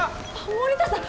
森田さん！